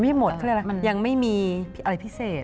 ไม่ใช่หมดเขาเรียกว่ายังไม่มีอะไรพิเศษ